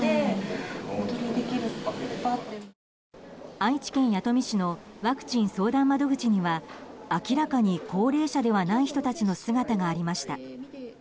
愛知県弥富市のワクチン相談窓口には明らかに高齢者ではない人たちの姿がありました。